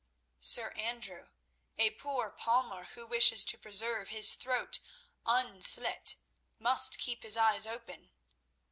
"Sir Andrew, a poor palmer who wishes to preserve his throat unslit must keep his eyes open.